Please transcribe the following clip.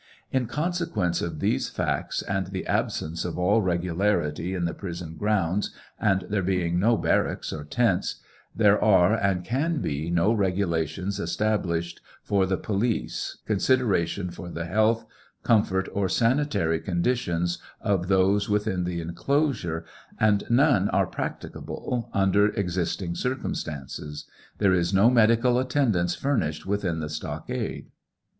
In consequence of these facts and the absence of all regularity in the prison grounds and there being no barracks or tents, there are and can be no regulations established for the police, consideration for the health, TRIAL OF HENRY WIRZ. 74 1 comfort, or sanitary condition of those within the enclosure, and none are practicable under existing circumstances. There is no medical attend ance furnished within the stockade.